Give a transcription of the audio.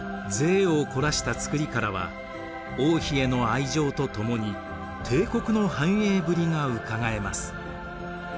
いを凝らした造りからは王妃への愛情とともに帝国の繁栄ぶりがうかがえます。